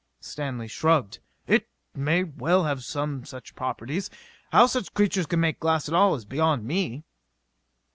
Stanley shrugged. "It may well have some such properties. How such creatures can make glass at all is beyond me!"